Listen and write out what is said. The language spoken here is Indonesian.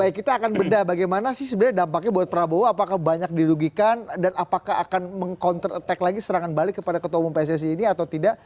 baik kita akan bedah bagaimana sih sebenarnya dampaknya buat prabowo apakah banyak dirugikan dan apakah akan meng counter attack lagi serangan balik kepada ketua umum pssi ini atau tidak